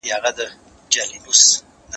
زه پرون د سبا لپاره د سوالونو جواب ورکوم،